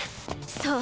そう。